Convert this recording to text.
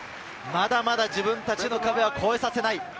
まだまだ自分たちの壁は越えさせない。